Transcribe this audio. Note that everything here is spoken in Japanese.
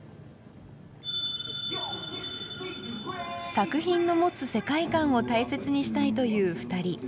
作品の持つ世界観を大切にしたいという２人。